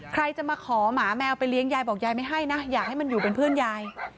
ใครจะมาขอหมาแมวไปเลี้ยงยายบอกยายไม่ให้นะอยากให้มันอยู่เป็นเพื่อนยาย